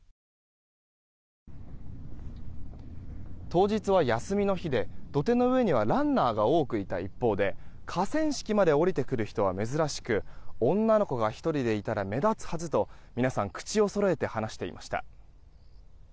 当日は休みの日で土手の上にはランナーが多くいた一方で河川敷まで下りてくる人は珍しく女の子が１人でいたら目立つはずと皆さん、口をそろえて話していました。